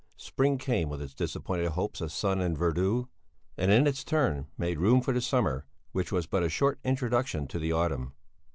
Spring came with its disappointed hopes of sun and verdure, and in its turn made room for the summer which was but a short introduction to the autumn.